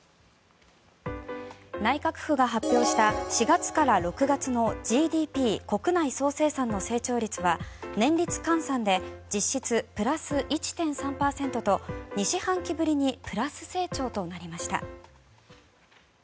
内閣府が発表した４月から６月のＧＤＰ・国内総生産の成長率は年率換算で実質プラス１．３％と２四半期ぶりにプラス成長となりました。